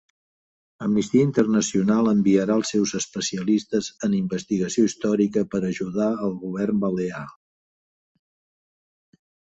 Amnistia Internacional enviarà els seus especialistes en investigació històrica per ajudar al govern balear